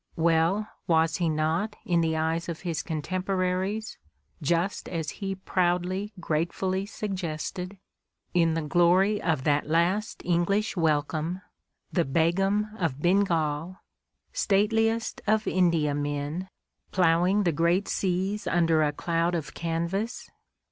"Well, was he not, in the eyes of his contemporaries, just as he proudly, gratefully suggested, in the glory of that last English welcome, the Begum of Bengal, stateli est of Indiamen, plowing the great seas under a cloud of canvas?